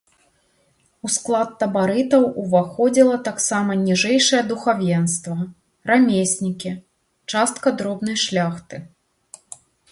У склад табарытаў уваходзіла таксама ніжэйшае духавенства, рамеснікі, частка дробнай шляхты.